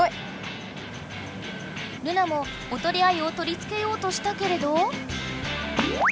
ルナもおとりアユをとりつけようとしたけれど。